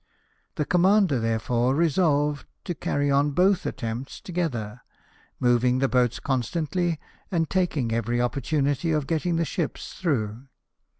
The commander therefore resolved to carry on both attempts together, moving the boats constantly, and taking every opportunity of getting the ships through.